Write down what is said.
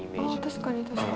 確かに確かに。